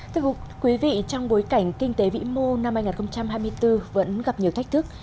thưa quý vị trong bối cảnh kinh tế vĩ mô năm hai nghìn hai mươi bốn vẫn gặp nhiều thách thức